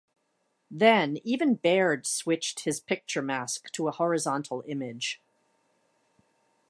Then even Baird switched his picture mask to a horizontal image.